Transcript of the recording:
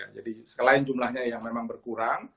jadi selain jumlahnya yang memang berkurang